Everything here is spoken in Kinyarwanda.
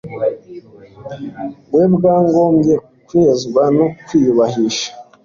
we bwagombye kwezwa no kwiyubahisha